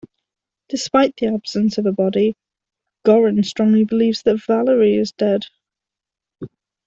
Despite the absence of a body, Goren strongly believes that Valerie is dead.